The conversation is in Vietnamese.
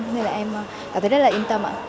cho nên là em cảm thấy rất là yên tâm ạ